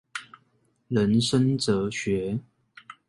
人生哲學